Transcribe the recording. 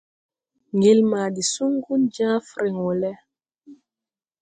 Ŋgel ma de suŋgun jãã frɛŋ wɔ lɛ.